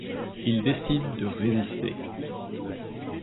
Ils décident de résister.